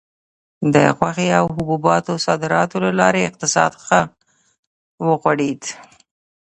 د غوښې او حبوباتو صادراتو له لارې اقتصاد ښه وغوړېد.